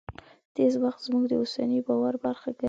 تېر وخت زموږ د اوسني باور برخه ګرځي.